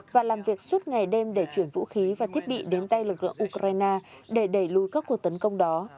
và làm việc suốt ngày đêm để chuyển vũ khí và thiết bị đến tay lực lượng ukraine để đẩy lùi các cuộc tấn công đó